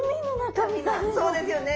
そうですよね。